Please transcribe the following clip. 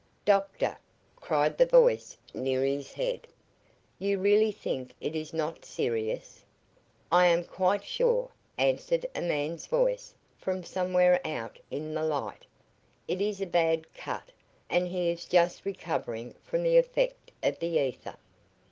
"Doctor," cried the voice near his head, "you really think it is not serious?" "I am quite sure," answered a man's voice from somewhere out in the light. "It is a bad cut, and he is just recovering from the effect of the ether.